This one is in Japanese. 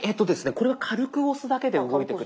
これは軽く押すだけで動いてくれます。